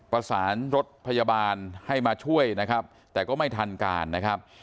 ประสานรถพยาบาลให้มาช่วยนะครับแต่ก็ไม่ทันการนะครับ